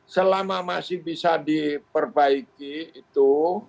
selama masih bisa diperbaiki itu